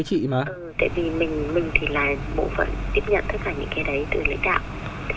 ừ tại vì mình thì là bộ phận tiếp nhận tất cả những cái đấy từ lĩnh đạo